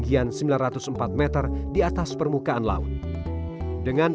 dan freaksi sel praising saya sendiri